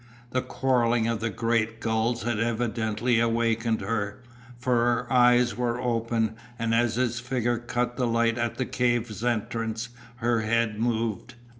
The quarrelling of the great gulls had evidently awakened her, for her eyes were open, and as his figure cut the light at the cave entrance her head moved.